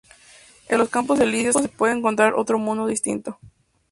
En los Campos Elíseos se puede encontrar otro mundo distinto.